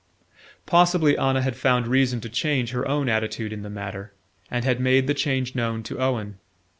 Possibly Anna had found reason to change her own attitude in the matter, and had made the change known to Owen.